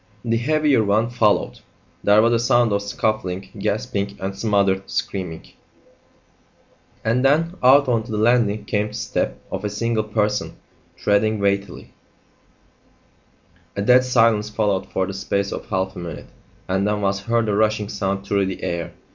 The heavier one followed. There was a sound of scuffling, gasping, and smothered screaming; and then out on to the landing came the step of a single person treading weightily. A dead silence followed for the space of half a minute, and then was heard a rushing sound through the air.